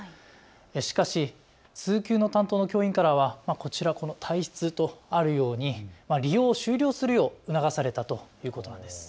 しかし通級の担当の教員からはこちら、この退室とあるように利用を終了するよう促されたということです。